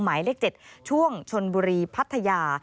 หมายเลข๗ช่วงชนบุรีพัทยา